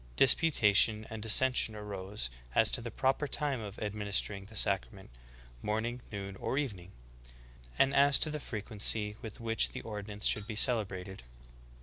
Disputation and dis sension arose as to the proper time of administering the sac rament — morning, noon, or evening ; and as to the frequency with which the ordinance should be celebrated."